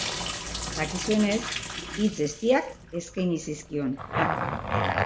Dakizuenez, hitz eztiak eskaini zizkion.